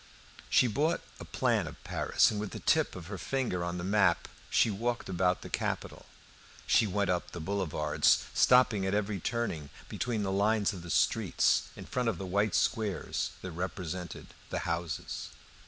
She bought a plan of Paris, and with the tip of her finger on the map she walked about the capital. She went up the boulevards, stopping at every turning, between the lines of the streets, in front of the white squares that represented the houses.